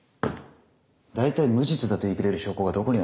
大体無実だと言い切れる証拠がどこにある？